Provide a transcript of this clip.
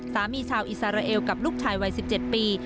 ชาวอิสราเอลกับลูกชายวัย๑๗ปี